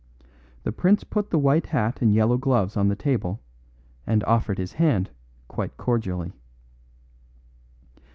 The prince put the white hat and yellow gloves on the table and offered his hand quite cordially.